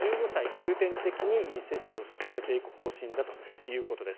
重点的に接種を進めていく方針だということです。